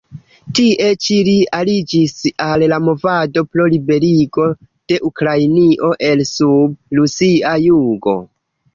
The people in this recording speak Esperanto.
Tie ĉi li aliĝis al la movado pro liberigo de Ukrainio el-sub rusia jugo.